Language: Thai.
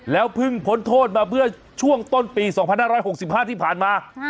แล้วพึ่งผลโทษมาเพื่อช่วงต้นปี๒๕๖๕ที่ผ่านมา